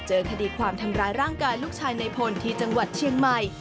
คดีความทำร้ายร่างกายลูกชายในพลที่จังหวัดเชียงใหม่